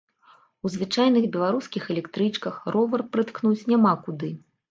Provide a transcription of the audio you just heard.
У звычайных беларускіх электрычках ровар прыткнуць няма куды.